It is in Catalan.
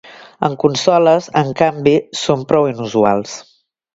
En consoles, en canvi, són prou inusuals.